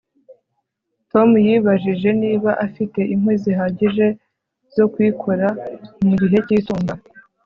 tom yibajije niba afite inkwi zihagije zo kuyikora mu gihe cy'itumba